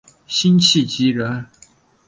辛弃疾人。